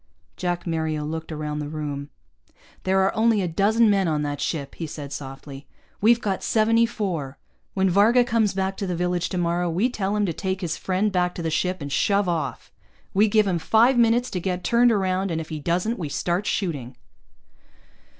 Jack Mario looked around the room. "There are only a dozen men on that ship," he said softly. "We've got seventy four. When Varga comes back to the village tomorrow, we tell him to take his friend back to the ship and shove off. We give him five minutes to get turned around, and if he doesn't, we start shooting."